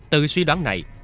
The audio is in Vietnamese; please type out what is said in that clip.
từ suy đoán này